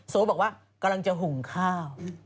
โซบอกว่ากำลังจะหุงข้าว